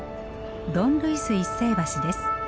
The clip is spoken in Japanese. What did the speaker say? ドン・ルイス一世橋です。